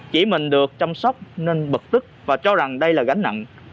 chỉ mình được chăm sóc nên bực tức và cho rằng đây là gánh nặng